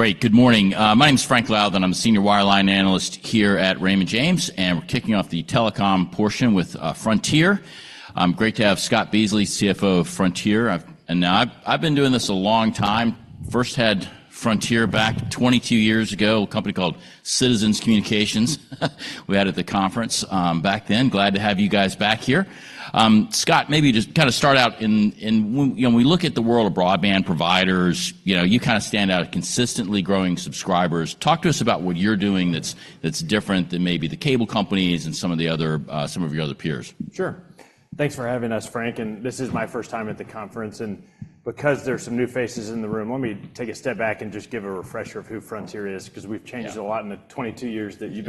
Great. Good morning. My name is Frank Louthan. I'm a senior wireline analyst here at Raymond James, and we're kicking off the telecom portion with Frontier. Great to have Scott Beasley, CFO of Frontier. And now I've been doing this a long time. First had Frontier back 22 years ago, a company called Citizens Communications. We had at the conference back then. Glad to have you guys back here. Scott, maybe just kind of start out. When we look at the world of broadband providers, you know, you kind of stand out at consistently growing subscribers. Talk to us about what you're doing that's different than maybe the cable companies and some of the other, some of your other peers. Sure. Thanks for having us, Frank, and this is my first time at the conference, and because there are some new faces in the room, let me take a step back and just give a refresher of who Frontier is, 'cause we've- Yeah... changed a lot in the 22 years that you've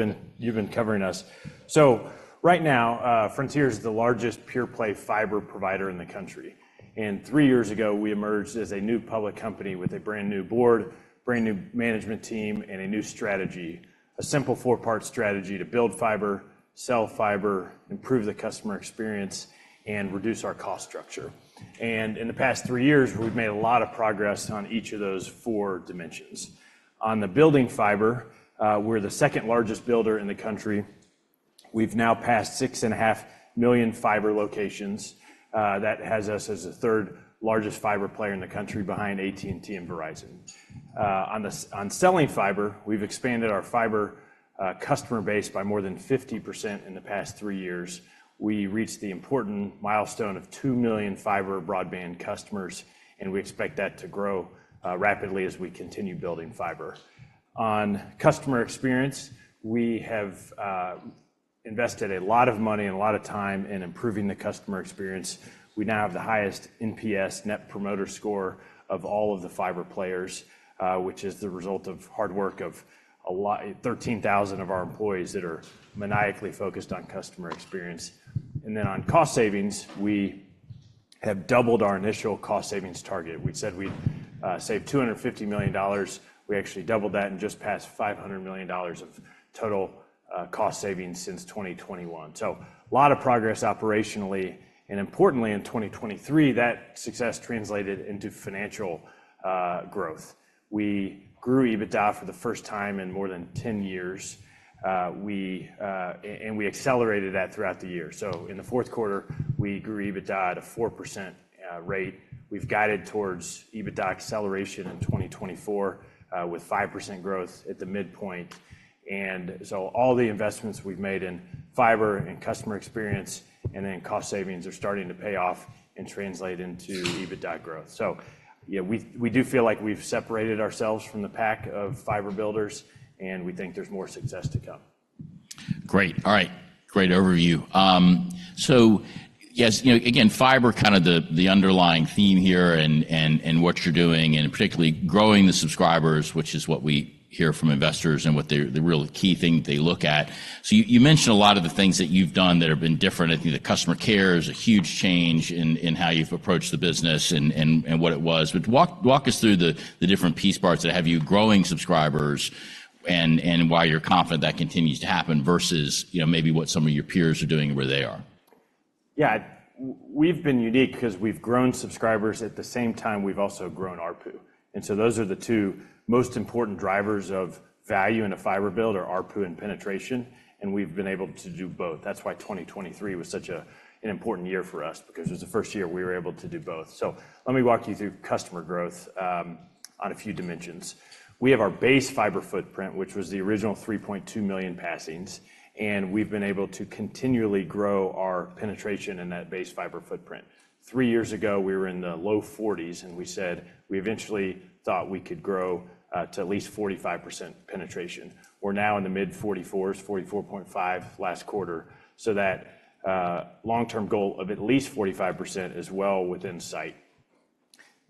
been covering us. So right now, Frontier is the largest pure-play fiber provider in the country, and three years ago, we emerged as a new public company with a brand-new board, brand-new management team, and a new strategy. A simple four-part strategy to build fiber, sell fiber, improve the customer experience, and reduce our cost structure. And in the past three years, we've made a lot of progress on each of those four dimensions. On the building fiber, we're the second-largest builder in the country. We've now passed 6.5 million fiber locations. That has us as the third-largest fiber player in the country behind AT&T and Verizon. On selling fiber, we've expanded our fiber customer base by more than 50% in the past three years. We reached the important milestone of 2 million fiber broadband customers, and we expect that to grow rapidly as we continue building fiber. On customer experience, we have invested a lot of money and a lot of time in improving the customer experience. We now have the highest NPS, Net Promoter Score, of all of the fiber players, which is the result of hard work of a lot of 13,000 of our employees that are maniacally focused on customer experience. And then on cost savings, we have doubled our initial cost savings target. We said we'd save $250 million. We actually doubled that and just passed $500 million of total cost savings since 2021. So a lot of progress operationally, and importantly, in 2023, that success translated into financial growth. We grew EBITDA for the first time in more than 10 years. And we accelerated that throughout the year. So in the fourth quarter, we grew EBITDA at a 4% rate. We've guided towards EBITDA acceleration in 2024 with 5% growth at the midpoint. And so all the investments we've made in fiber and customer experience and in cost savings are starting to pay off and translate into EBITDA growth. So yeah, we do feel like we've separated ourselves from the pack of fiber builders, and we think there's more success to come. Great. All right. Great overview. So yes, you know, again, fiber, kind of the underlying theme here and what you're doing, and particularly growing the subscribers, which is what we hear from investors and what they—the real key thing they look at. So you mentioned a lot of the things that you've done that have been different. I think the customer care is a huge change in how you've approached the business and what it was. But walk us through the different piece parts that have you growing subscribers and why you're confident that continues to happen versus, you know, maybe what some of your peers are doing and where they are. Yeah. We've been unique 'cause we've grown subscribers, at the same time, we've also grown ARPU. And so those are the two most important drivers of value in a fiber build, are ARPU and penetration, and we've been able to do both. That's why 2023 was such an important year for us because it was the first year we were able to do both. So let me walk you through customer growth on a few dimensions. We have our base fiber footprint, which was the original 3.2 million passings, and we've been able to continually grow our penetration in that base fiber footprint. Three years ago, we were in the low 40s, and we said we eventually thought we could grow to at least 45% penetration. We're now in the mid 40s, 44.5% last quarter. So that long-term goal of at least 45% is well within sight.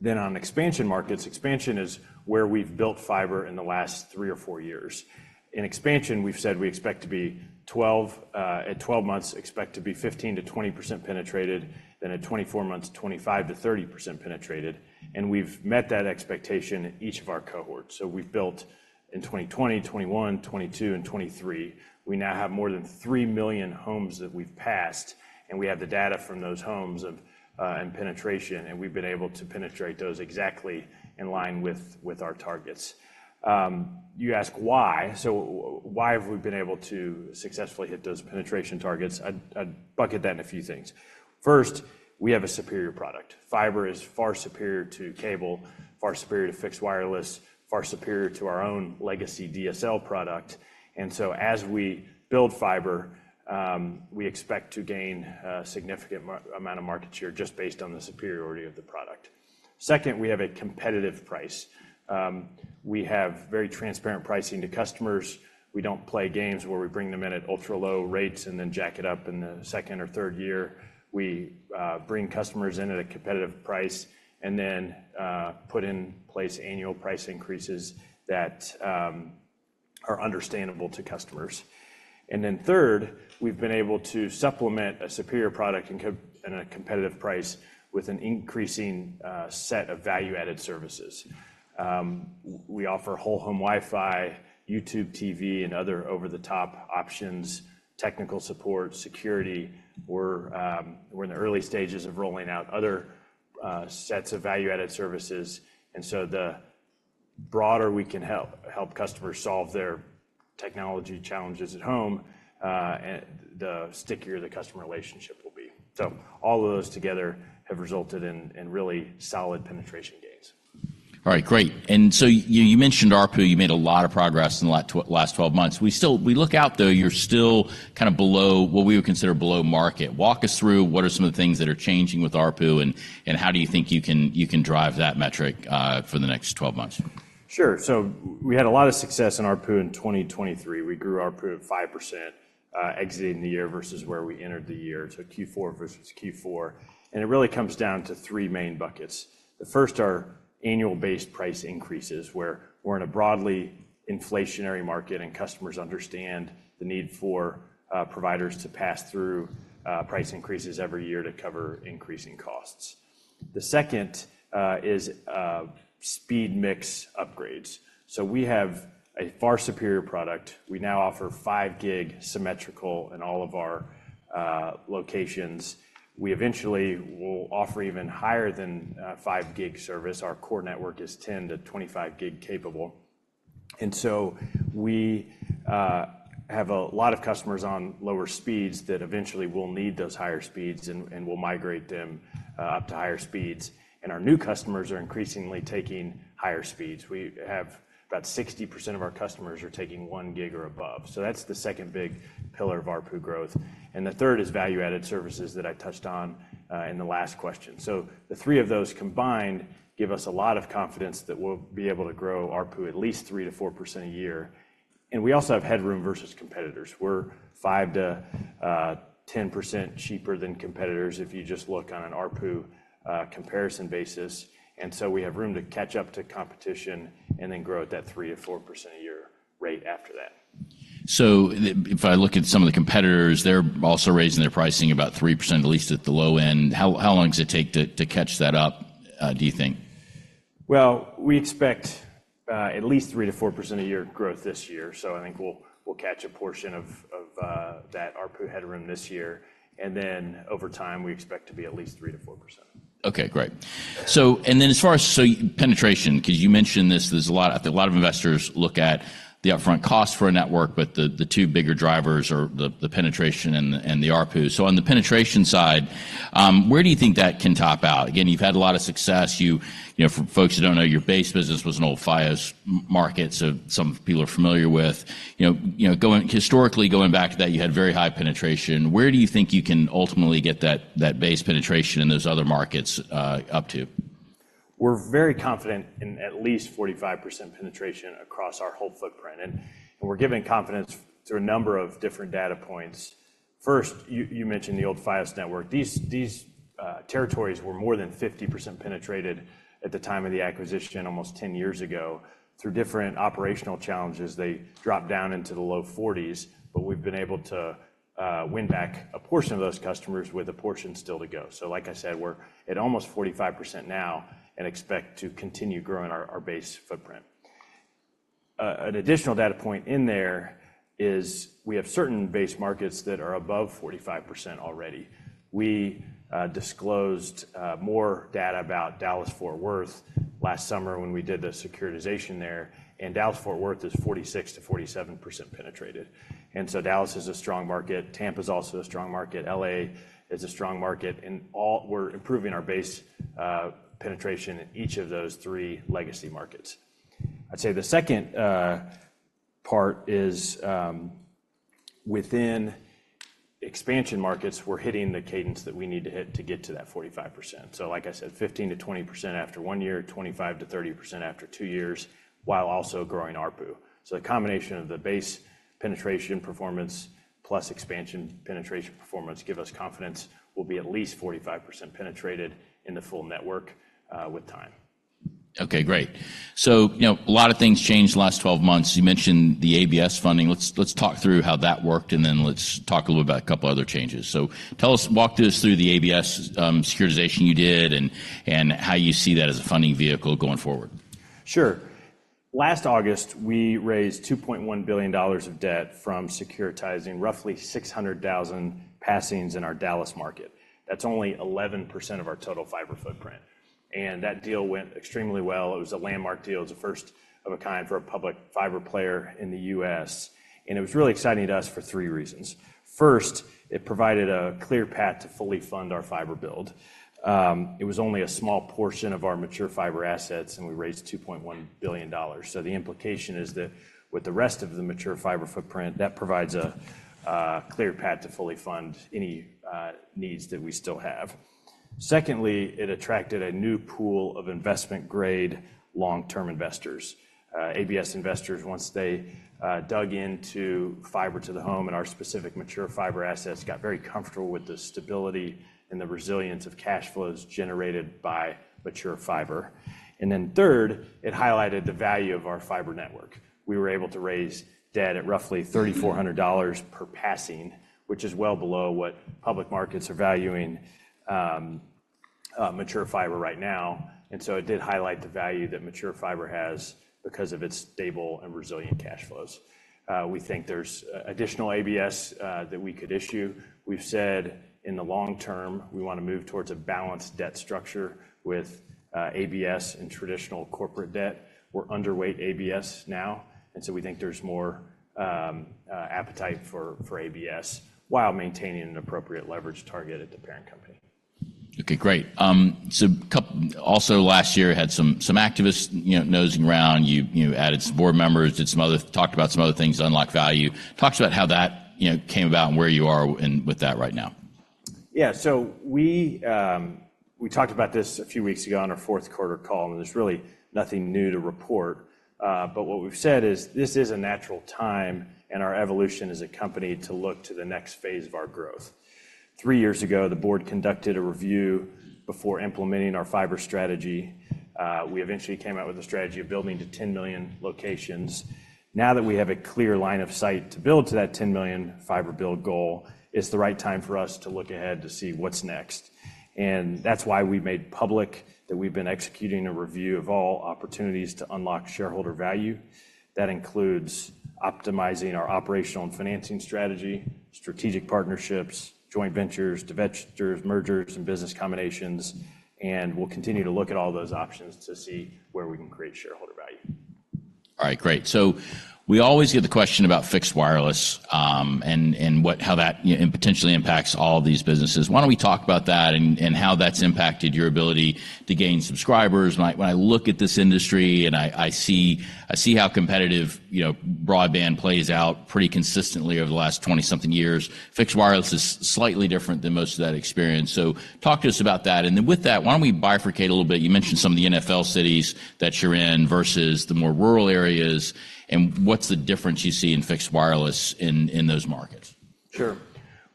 Then on expansion markets, expansion is where we've built fiber in the last three or four years. In expansion, we've said we expect to be 12, at 12 months, expect to be 15%-20% penetrated, then at 24 months, 25%-30% penetrated, and we've met that expectation in each of our cohorts. So we've built in 2020, 2021, 2022, and 2023. We now have more than 3 million homes that we've passed, and we have the data from those homes of, and penetration, and we've been able to penetrate those exactly in line with, with our targets. You ask why. So why have we been able to successfully hit those penetration targets? I'd bucket that in a few things. First, we have a superior product. Fiber is far superior to cable, far superior to fixed wireless, far superior to our own legacy DSL product, and so as we build fiber, we expect to gain a significant amount of market share just based on the superiority of the product. Second, we have a competitive price. We have very transparent pricing to customers. We don't play games where we bring them in at ultra-low rates and then jack it up in the second or third year. We bring customers in at a competitive price and then put in place annual price increases that are understandable to customers. And then third, we've been able to supplement a superior product and a competitive price with an increasing set of value-added services. We offer whole-home Wi-Fi, YouTube TV, and other over-the-top options, technical support, security. We're in the early stages of rolling out other sets of value-added services, and so the broader we can help customers solve their technology challenges at home, and the stickier the customer relationship will be. So all of those together have resulted in really solid penetration gains. All right, great. And so you, you mentioned ARPU, you made a lot of progress in the last 12 months. We still look out, though, you're still kind of below what we would consider below market. Walk us through what are some of the things that are changing with ARPU, and, and how do you think you can, you can drive that metric for the next 12 months? Sure. So we had a lot of success in ARPU in 2023. We grew ARPU at 5%, exiting the year versus where we entered the year, so Q4 versus Q4, and it really comes down to three main buckets. The first are annual-based price increases, where we're in a broadly inflationary market, and customers understand the need for providers to pass through price increases every year to cover increasing costs. The second is speed mix upgrades. So we have a far superior product. We now offer 5 gig symmetrical in all of our locations. We eventually will offer even higher than 5 gig service. Our core network is 10-25 gig capable. And so we have a lot of customers on lower speeds that eventually will need those higher speeds, and we'll migrate them up to higher speeds. And our new customers are increasingly taking higher speeds. We have about 60% of our customers taking 1 gig or above, so that's the second big pillar of ARPU growth. And the third is value-added services that I touched on in the last question. So the three of those combined give us a lot of confidence that we'll be able to grow ARPU at least 3%-4% a year. And we also have headroom versus competitors. We're 5%-10% cheaper than competitors if you just look on an ARPU comparison basis, and so we have room to catch up to competition and then grow at that 3%-4% a year rate after that. So if I look at some of the competitors, they're also raising their pricing about 3%, at least at the low end. How long does it take to catch that up, do you think? Well, we expect at least 3%-4% a year growth this year, so I think we'll catch a portion of that ARPU headroom this year, and then over time, we expect to be at least 3%-4%. Okay, great. So, penetration, 'cause you mentioned this, there's a lot of investors look at the upfront cost for a network, but the two bigger drivers are the penetration and the ARPU. So on the penetration side, where do you think that can top out? Again, you've had a lot of success. You know, for folks who don't know, your base business was an old Fios market, so some people are familiar with. You know, historically, going back to that, you had very high penetration. Where do you think you can ultimately get that base penetration in those other markets up to? We're very confident in at least 45% penetration across our whole footprint, and we're giving confidence through a number of different data points. First, you mentioned the old Fios network. These territories were more than 50% penetrated at the time of the acquisition almost 10 years ago. Through different operational challenges, they dropped down into the low 40s, but we've been able to win back a portion of those customers with a portion still to go. So like I said, we're at almost 45% now and expect to continue growing our base footprint. An additional data point in there is we have certain base markets that are above 45% already. We disclosed more data about Dallas-Fort Worth last summer when we did the securitization there, and Dallas-Fort Worth is 46%-47% penetrated. Dallas is a strong market. Tampa is also a strong market. LA is a strong market. In all, we're improving our base penetration in each of those three legacy markets. I'd say the second part is within expansion markets, we're hitting the cadence that we need to hit to get to that 45%. Like I said, 15%-20% after one year, 25%-30% after two years, while also growing ARPU. The combination of the base penetration performance plus expansion penetration performance gives us confidence we'll be at least 45% penetrated in the full network with time. Okay, great. So, you know, a lot of things changed in the last 12 months. You mentioned the ABS funding. Let's, let's talk through how that worked, and then let's talk a little about a couple other changes. So tell us, walk us through the ABS securitization you did and, and how you see that as a funding vehicle going forward. Sure. Last August, we raised $2.1 billion of debt from securitizing roughly 600,000 passings in our Dallas market. That's only 11% of our total fiber footprint, and that deal went extremely well. It was a landmark deal. It's a first of a kind for a public fiber player in the U.S., and it was really exciting to us for three reasons. First, it provided a clear path to fully fund our fiber build. It was only a small portion of our mature fiber assets, and we raised $2.1 billion. So the implication is that with the rest of the mature fiber footprint, that provides a clear path to fully fund any needs that we still have. Secondly, it attracted a new pool of investment-grade long-term investors. ABS investors, once they dug into fiber to the home and our specific mature fiber assets, got very comfortable with the stability and the resilience of cash flows generated by mature fiber. And then third, it highlighted the value of our fiber network. We were able to raise debt at roughly $3,400 per passing, which is well below what public markets are valuing, mature fiber right now, and so it did highlight the value that mature fiber has because of its stable and resilient cash flows. We think there's additional ABS that we could issue. We've said in the long term, we wanna move towards a balanced debt structure with ABS and traditional corporate debt. We're underweight ABS now, and so we think there's more appetite for ABS, while maintaining an appropriate leverage target at the parent company. Okay, great. So also last year had some activists, you know, nosing around. You added some board members, did some other, talked about some other things to unlock value. Talk to us about how that, you know, came about and where you are with that right now. Yeah. So we, we talked about this a few weeks ago on our fourth quarter call, and there's really nothing new to report. But what we've said is this is a natural time in our evolution as a company to look to the next phase of our growth. Three years ago, the board conducted a review before implementing our fiber strategy. We eventually came out with a strategy of building to 10 million locations. Now that we have a clear line of sight to build to that 10 million fiber build goal, it's the right time for us to look ahead to see what's next. And that's why we made public that we've been executing a review of all opportunities to unlock shareholder value. That includes optimizing our operational and financing strategy, strategic partnerships, joint ventures, divestitures, mergers, and business combinations, and we'll continue to look at all those options to see where we can create shareholder value. All right, great. So we always get the question about fixed wireless, and how that, you know, and potentially impacts all these businesses. Why don't we talk about that and how that's impacted your ability to gain subscribers? When I look at this industry, and I see how competitive, you know, broadband plays out pretty consistently over the last 20-something years. Fixed wireless is slightly different than most of that experience, so talk to us about that. And then with that, why don't we bifurcate a little bit? You mentioned some of the NFL cities that you're in versus the more rural areas, and what's the difference you see in fixed wireless in those markets? Sure.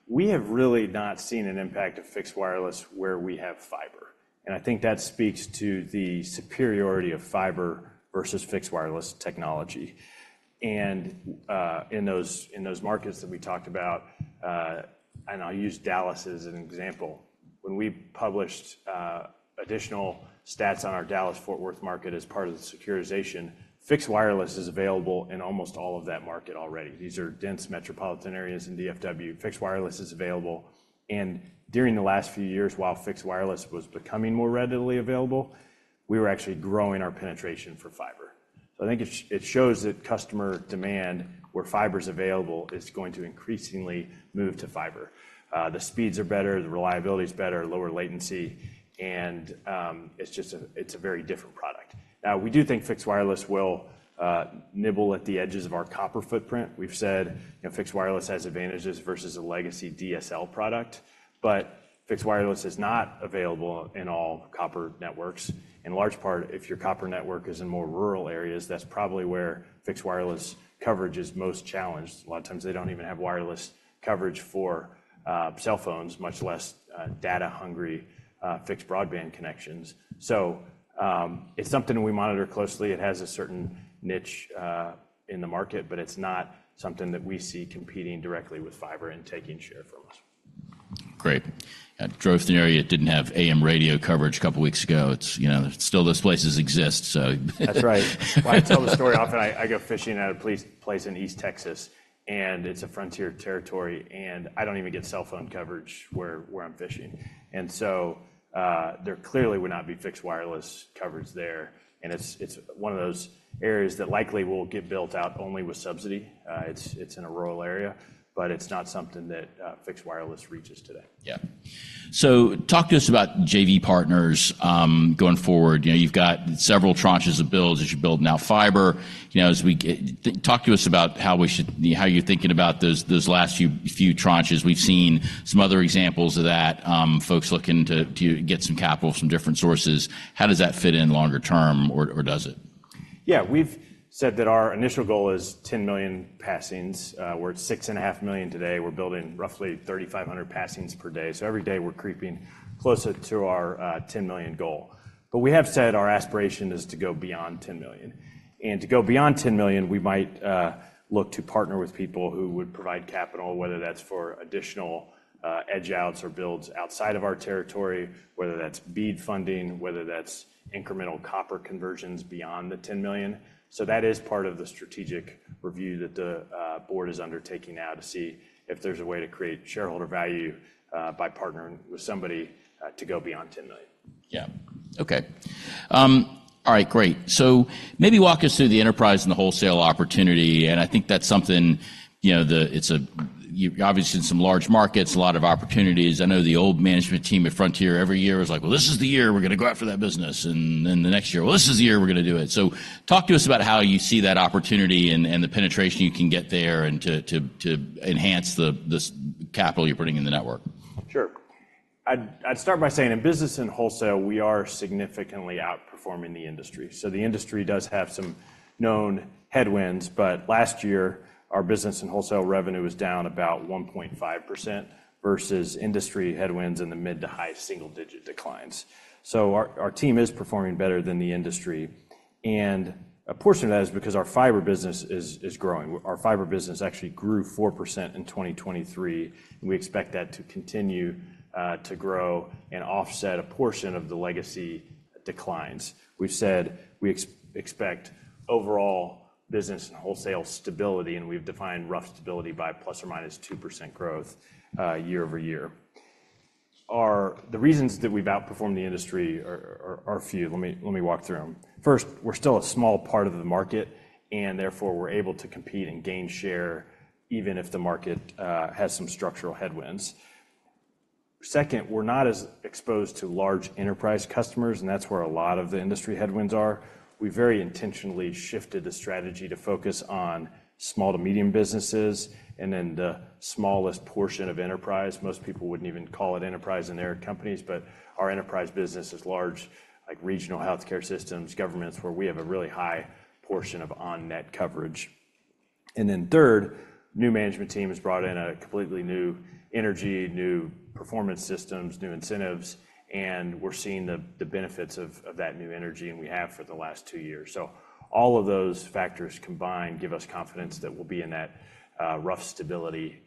We have really not seen an impact of Fixed Wireless where we have fiber, and I think that speaks to the superiority of fiber versus Fixed Wireless technology. In those markets that we talked about, I'll use Dallas as an example. When we published additional stats on our Dallas-Fort Worth market as part of the securitization, Fixed Wireless is available in almost all of that market already. These are dense metropolitan areas in DFW. Fixed Wireless is available, and during the last few years, while Fixed Wireless was becoming more readily available, we were actually growing our penetration for fiber. So I think it shows that customer demand, where fiber's available, is going to increasingly move to fiber. The speeds are better, the reliability is better, lower latency, and it's just a very different product. Now, we do think Fixed Wireless will nibble at the edges of our copper footprint. We've said, you know, Fixed Wireless has advantages versus a legacy DSL product, but Fixed Wireless is not available in all copper networks. In large part, if your copper network is in more rural areas, that's probably where Fixed Wireless coverage is most challenged. A lot of times they don't even have wireless coverage for cell phones, much less data-hungry fixed broadband connections. So, it's something we monitor closely. It has a certain niche in the market, but it's not something that we see competing directly with fiber and taking share from us. Great. I drove through an area that didn't have AM radio coverage a couple weeks ago. It's, you know, still those places exist, so - That's right. I tell the story often. I go fishing at a place in East Texas, and it's a Frontier territory, and I don't even get cell phone coverage where I'm fishing, and so there clearly would not be Fixed Wireless coverage there. And it's one of those areas that likely will get built out only with subsidy. It's in a rural area, but it's not something that Fixed Wireless reaches today. Yeah. So talk to us about JV partners, going forward. You know, you've got several tranches of builds as you build now fiber. You know, talk to us about how we should—how you're thinking about those, those last few, few tranches. We've seen some other examples of that, folks looking to, to get some capital from different sources. How does that fit in longer term or, or does it? Yeah, we've said that our initial goal is 10 million passings. We're at 6.5 million today. We're building roughly 3,500 passings per day, so every day we're creeping closer to our 10 million goal. But we have said our aspiration is to go beyond 10 million, and to go beyond 10 million, we might look to partner with people who would provide capital, whether that's for additional edge outs or builds outside of our territory, whether that's BEAD funding, whether that's incremental copper conversions beyond the 10 million. So that is part of the strategic review that the board is undertaking now to see if there's a way to create shareholder value by partnering with somebody to go beyond 10 million. Yeah. Okay. All right, great. So maybe walk us through the enterprise and the wholesale opportunity, and I think that's something, you know, you're obviously in some large markets, a lot of opportunities. I know the old management team at Frontier every year was like: "Well, this is the year we're gonna go out for that business." And then the next year, "Well, this is the year we're gonna do it." So talk to us about how you see that opportunity and the penetration you can get there and to enhance the capital you're putting in the network. Sure. I'd start by saying in business and wholesale, we are significantly outperforming the industry. So the industry does have some known headwinds, but last year our business and wholesale revenue was down about 1.5% versus industry headwinds in the mid- to high-single-digit declines. So our team is performing better than the industry... and a portion of that is because our fiber business is growing. Our fiber business actually grew 4% in 2023, and we expect that to continue to grow and offset a portion of the legacy declines. We've said we expect overall business and wholesale stability, and we've defined rough stability by ±2% growth, year-over-year. The reasons that we've outperformed the industry are a few. Let me walk through them. First, we're still a small part of the market, and therefore we're able to compete and gain share even if the market has some structural headwinds. Second, we're not as exposed to large enterprise customers, and that's where a lot of the industry headwinds are. We very intentionally shifted the strategy to focus on small to medium businesses and then the smallest portion of enterprise. Most people wouldn't even call it enterprise in their companies, but our enterprise business is large, like regional healthcare systems, governments, where we have a really high portion of on-net coverage. And then third, new management team has brought in a completely new energy, new performance systems, new incentives, and we're seeing the benefits of that new energy, and we have for the last two years. All of those factors combined give us confidence that we'll be in that rough stability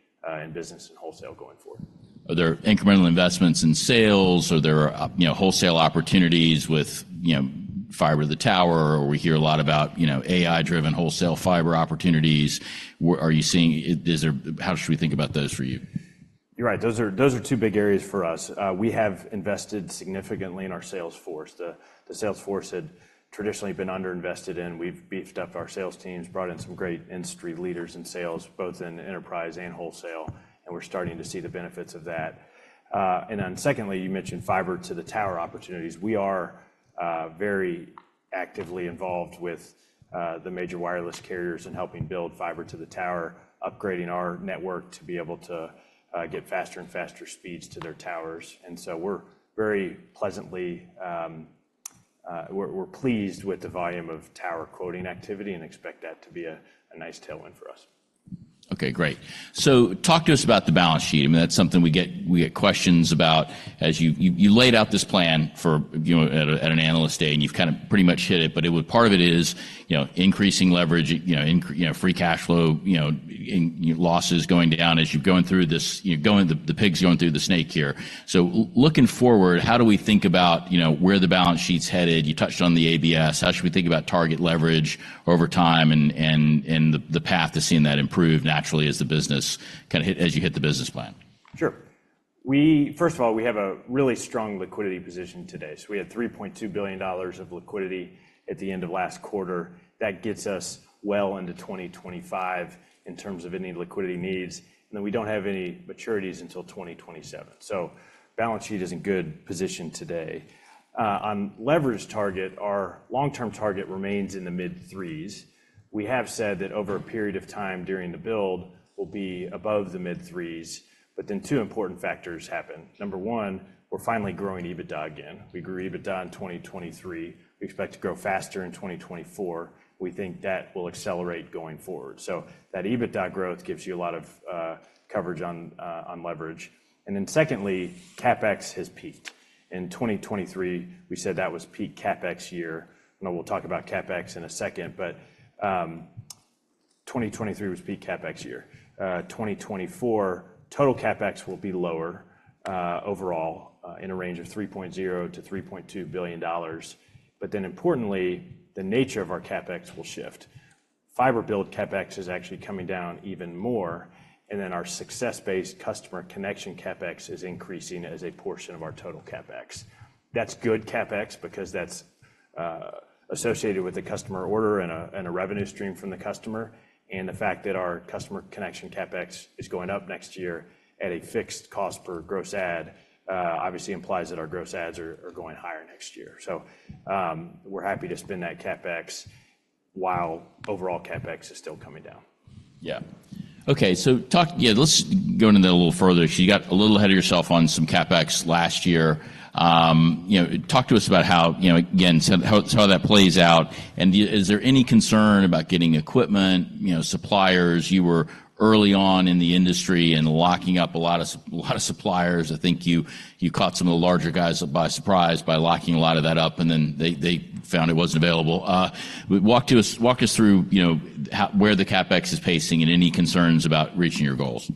in business and wholesale going forward. Are there incremental investments in sales? Are there, you know, wholesale opportunities with, you know, fiber to the tower, or we hear a lot about, you know, AI-driven wholesale fiber opportunities? Where are you seeing? How should we think about those for you? You're right. Those are two big areas for us. We have invested significantly in our sales force. The sales force had traditionally been underinvested in. We've beefed up our sales teams, brought in some great industry leaders in sales, both in enterprise and wholesale, and we're starting to see the benefits of that. And then secondly, you mentioned fiber to the tower opportunities. We are very actively involved with the major wireless carriers in helping build fiber to the tower, upgrading our network to be able to get faster and faster speeds to their towers. And so we're very pleasantly pleased with the volume of tower quoting activity and expect that to be a nice tailwind for us. Okay, great. So talk to us about the balance sheet. I mean, that's something we get questions about. As you laid out this plan for, you know, at an analyst day, and you've kind of pretty much hit it, but part of it is, you know, increasing leverage, you know, free cash flow, you know, losses going down as you're going through this. The pig's going through the snake here. So looking forward, how do we think about, you know, where the balance sheet's headed? You touched on the ABS. How should we think about target leverage over time and the path to seeing that improve naturally as the business kind of hit as you hit the business plan? Sure. First of all, we have a really strong liquidity position today. So we had $3.2 billion of liquidity at the end of last quarter. That gets us well into 2025 in terms of any liquidity needs, and then we don't have any maturities until 2027. So balance sheet is in good position today. On leverage target, our long-term target remains in the mid-threes. We have said that over a period of time during the build, we'll be above the mid-threes, but then two important factors happen. Number one, we're finally growing EBITDA again. We grew EBITDA in 2023. We expect to grow faster in 2024. We think that will accelerate going forward. So that EBITDA growth gives you a lot of coverage on leverage. And then secondly, CapEx has peaked. In 2023, we said that was peak CapEx year. I know we'll talk about CapEx in a second, but, 2023 was peak CapEx year. 2024, total CapEx will be lower, overall, in a range of $3.0 billion-$3.2 billion. But then importantly, the nature of our CapEx will shift. Fiber build CapEx is actually coming down even more, and then our success-based customer connection CapEx is increasing as a portion of our total CapEx. That's good CapEx because that's, associated with a customer order and a, and a revenue stream from the customer, and the fact that our customer connection CapEx is going up next year at a fixed cost per gross add, obviously implies that our gross adds are going higher next year. So, we're happy to spend that CapEx while overall CapEx is still coming down. Yeah. Okay, so talk. Yeah, let's go into that a little further. So you got a little ahead of yourself on some CapEx last year. You know, talk to us about how, you know, again, so how that plays out, and is there any concern about getting equipment, you know, suppliers? You were early on in the industry and locking up a lot of suppliers. I think you caught some of the larger guys by surprise by locking a lot of that up, and then they found it wasn't available. Walk us through, you know, how, where the CapEx is pacing and any concerns about reaching your goals.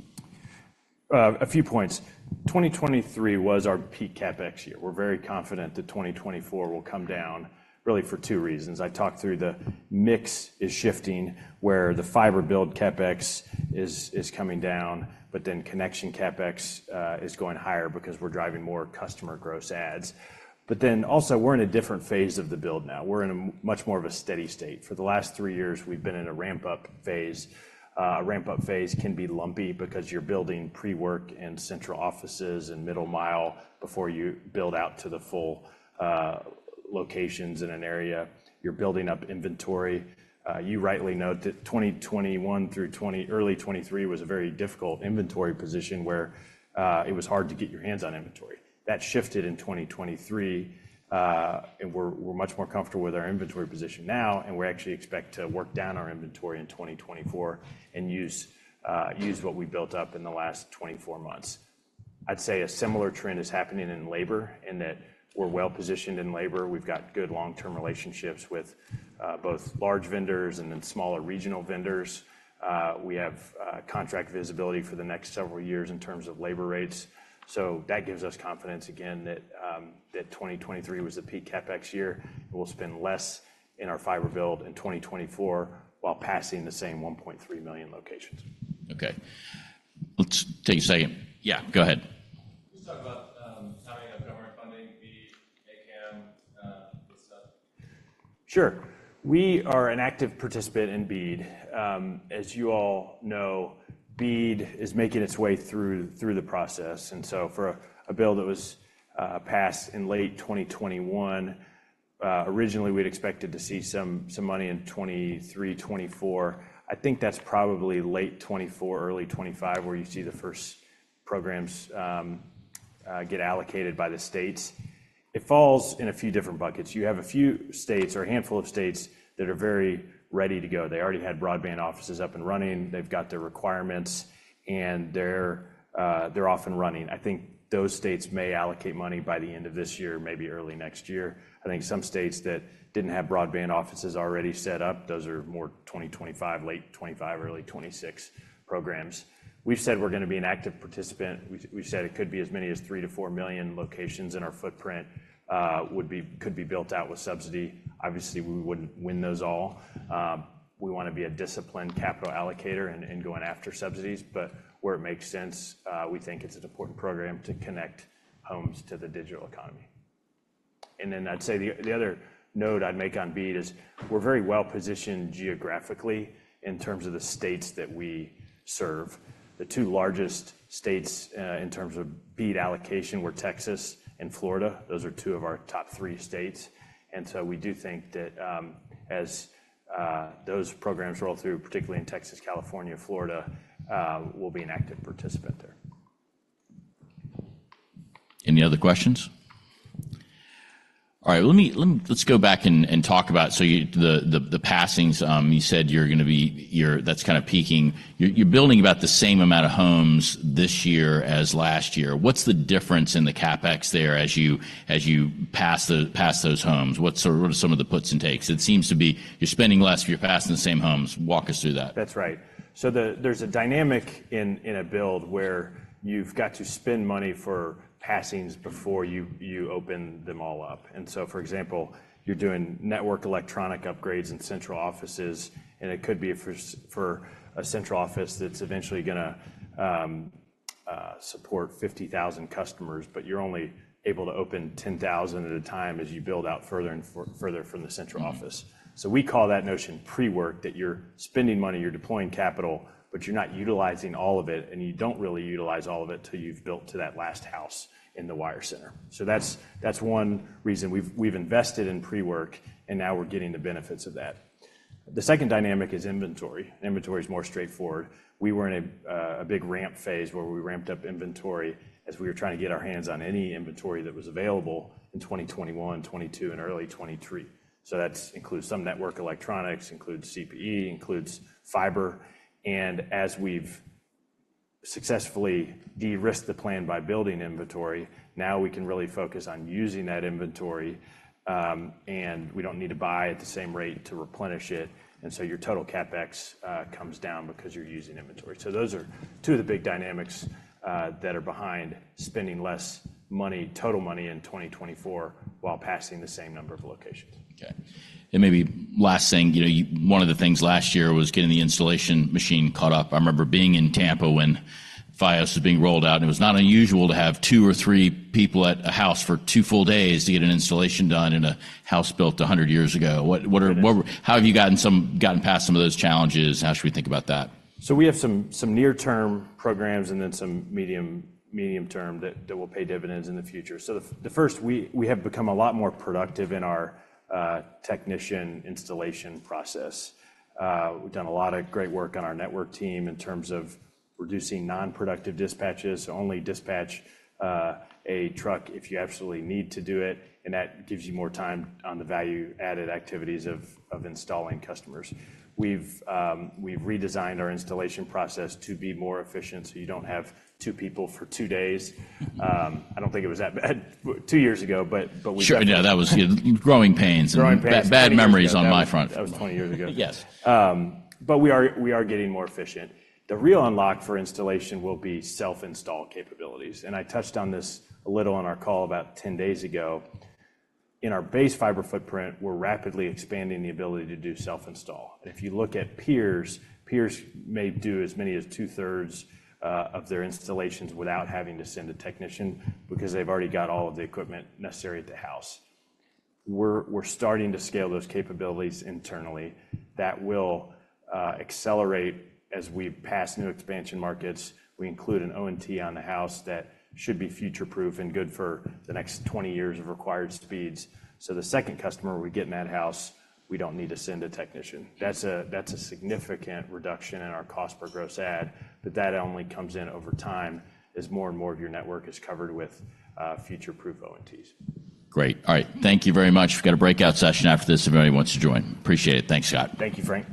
A few points. 2023 was our peak CapEx year. We're very confident that 2024 will come down, really for two reasons. I talked through the mix is shifting, where the fiber build CapEx is coming down, but then connection CapEx is going higher because we're driving more customer gross adds. But then also, we're in a different phase of the build now. We're in a much more of a steady state. For the last three years, we've been in a ramp-up phase. A ramp-up phase can be lumpy because you're building pre-work and central offices and middle mile before you build out to the full locations in an area. You're building up inventory. You rightly note that 2021 through early 2023 was a very difficult inventory position, where it was hard to get your hands on inventory. That shifted in 2023, and we're much more comfortable with our inventory position now, and we actually expect to work down our inventory in 2024 and use what we built up in the last 24 months. I'd say a similar trend is happening in labor, in that we're well-positioned in labor. We've got good long-term relationships with both large vendors and then smaller regional vendors. We have contract visibility for the next several years in terms of labor rates, so that gives us confidence again that 2023 was the peak CapEx year, and we'll spend less in our fiber build in 2024, while passing the same 1.3 million locations. Okay. Let's take a second. Yeah, go ahead. Just talk about having a government funding, the A-CAM, good stuff. Sure. We are an active participant in BEAD. As you all know, BEAD is making its way through the process, and so for a bill that was passed in late 2021, originally, we'd expected to see some money in 2023-2024. I think that's probably late 2024, early 2025, where you see the first programs get allocated by the states. It falls in a few different buckets. You have a few states or a handful of states that are very ready to go. They already had broadband offices up and running. They've got their requirements, and they're off and running. I think those states may allocate money by the end of this year, maybe early next year. I think some states that didn't have broadband offices already set up, those are more 2025, late 2025, early 2026 programs. We've said we're gonna be an active participant. We've said it could be as many as 3-4 million locations in our footprint could be built out with subsidy. Obviously, we wouldn't win those all. We wanna be a disciplined capital allocator in going after subsidies, but where it makes sense, we think it's an important program to connect homes to the digital economy. And then I'd say the other note I'd make on BEAD is we're very well-positioned geographically in terms of the states that we serve. The two largest states in terms of BEAD allocation were Texas and Florida. Those are two of our top three states. And so we do think that, as those programs roll through, particularly in Texas, California, Florida, we'll be an active participant there. Any other questions? All right, let me, let's go back and talk about, so you, the passings, you said you're gonna be... You're, that's kinda peaking. You're building about the same amount of homes this year as last year. What's the difference in the CapEx there as you pass those homes? What's sort of some of the puts and takes? It seems to be you're spending less, you're passing the same homes. Walk us through that. That's right. So the there's a dynamic in a build where you've got to spend money for passings before you open them all up. And so, for example, you're doing network electronic upgrades in central offices, and it could be for a central office that's eventually gonna support 50,000 customers, but you're only able to open 10,000 at a time as you build out further and further from the central office. So we call that notion pre-work, that you're spending money, you're deploying capital, but you're not utilizing all of it, and you don't really utilize all of it till you've built to that last house in the wire center. So that's one reason we've invested in pre-work, and now we're getting the benefits of that. The second dynamic is inventory. Inventory is more straightforward. We were in a big ramp phase where we ramped up inventory as we were trying to get our hands on any inventory that was available in 2021, 2022, and early 2023. So that's includes some network electronics, includes CPE, includes fiber, and as we've successfully de-risked the plan by building inventory, now we can really focus on using that inventory, and we don't need to buy at the same rate to replenish it, and so your total CapEx comes down because you're using inventory. So those are two of the big dynamics that are behind spending less money, total money in 2024, while passing the same number of locations. Okay, and maybe last thing, you know, you—one of the things last year was getting the installation machine caught up. I remember being in Tampa when FiOS was being rolled out, and it was not unusual to have two or three people at a house for two full days to get an installation done in a house built 100 years ago. What are— Yes. How have you gotten past some of those challenges, and how should we think about that? So we have some near-term programs and then some medium-term that will pay dividends in the future. So the first, we have become a lot more productive in our technician installation process. We've done a lot of great work on our network team in terms of reducing non-productive dispatches. So only dispatch a truck if you absolutely need to do it, and that gives you more time on the value-added activities of installing customers. We've redesigned our installation process to be more efficient, so you don't have two people for two days. I don't think it was that bad two years ago, but we- Sure. Yeah, that was growing pains and- Growing pains. Bad memories on my front. That was 20 years ago. Yes. But we are getting more efficient. The real unlock for installation will be self-install capabilities, and I touched on this a little on our call about 10 days ago. In our base fiber footprint, we're rapidly expanding the ability to do self-install. If you look at peers, peers may do as many as 2/3 of their installations without having to send a technician because they've already got all of the equipment necessary at the house. We're starting to scale those capabilities internally. That will accelerate as we pass new expansion markets. We include an ONT on the house that should be future-proof and good for the next 20 years of required speeds. So the second customer we get in that house, we don't need to send a technician. That's a significant reduction in our cost per gross add, but that only comes in over time as more and more of your network is covered with future-proof O&Ts. Great. All right. Thank you very much. We've got a breakout session after this, if anybody wants to join. Appreciate it. Thanks, Scott. Thank you, Frank.